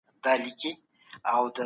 کارتونه د رايي لپاره څنګه کارول کیږي؟